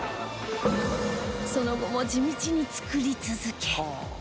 その後も地道に作り続け